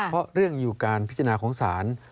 เพราะเรื่องอยู่การพิจารณาของศาล